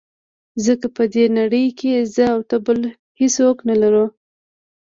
ځکه په دې نړۍ کې زه او ته بل هېڅوک نه لرو.